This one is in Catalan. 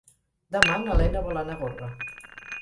Demà na Lena vol anar a Gorga.